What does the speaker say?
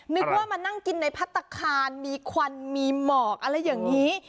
นึกว่ามานั่งกินในพัฒนาคารมีควันมีหมอกอะไรอย่างนี้